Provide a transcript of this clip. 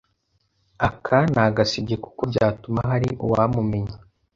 Aka nagasibye kuko byatuma hari uwamumenya